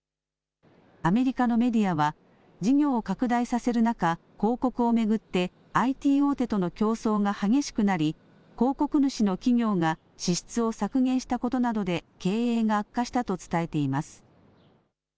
アメリカのメディアは事業を拡大させる中、広告を巡ってＩＴ大手との競争が激しくなり広告主の企業が支出を削減したことなどで経営が悪化したと伝えています。